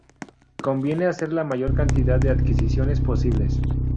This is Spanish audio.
Conviene hacer la mayor cantidad de adquisiciones posibles.